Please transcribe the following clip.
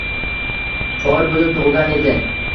Shoir bo’lib tug’ilgan edi